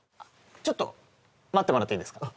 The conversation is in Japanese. ちょっと待ってもらっていいですか？